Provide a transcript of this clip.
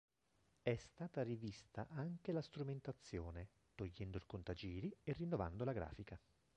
È stata rivista anche la strumentazione, togliendo il contagiri e rinnovando la grafica.